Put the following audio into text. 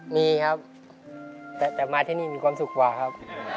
มีครับแต่มาที่นี่มีความสุขกว่าครับ